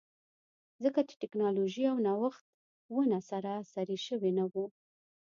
ځکه چې ټکنالوژي او نوښت ونه سراسري شوي نه وو.